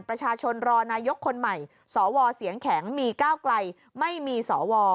ประชาชนรอนายกคนใหม่สวเสียงแข็งมีก้าวไกลไม่มีสว